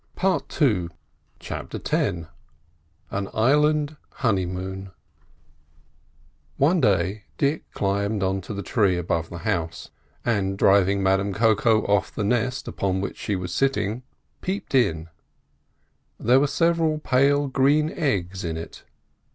PART II CHAPTER X AN ISLAND HONEYMOON One day Dick climbed on to the tree above the house, and, driving Madame Koko off the nest upon which she was sitting, peeped in. There were several pale green eggs in it.